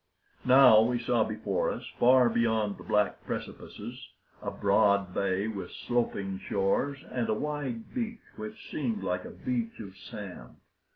Now we saw before us, far beyond the black precipices, a broad bay with sloping shores, and a wide beach which seemed like a beach of sand.